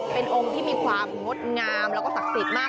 เป็นองค์ที่มีความงดงามแล้วก็ศักดิ์สิทธิ์มาก